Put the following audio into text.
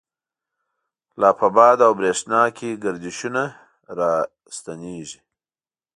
لا په باد او برَښنا کی، گردشونه را رستیږی